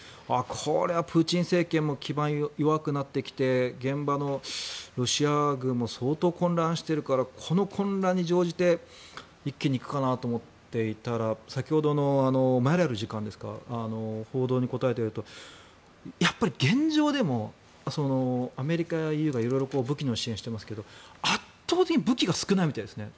これはプーチン政権も基盤が弱くなってきて現場のロシア軍も相当混乱しているからこの混乱に乗じて一気に行くかと思っていたら先ほどのマリャル次官報道に答えているのを見るとやっぱり現状でもアメリカやＥＵが色々武器の支援をしていますが圧倒的に武器が少ないみたいですね。